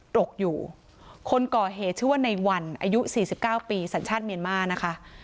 ตกอยู่คนก่อเหตุชื่อว่าในวันอายุ๔๙ปีสัญชาติเมียนมานะคะ